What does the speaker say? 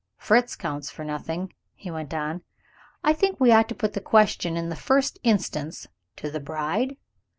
"Fritz counts for nothing," he went on. "I think we ought to put the question, in the first instance, to the bride?"